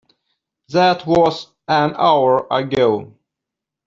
That was an hour ago!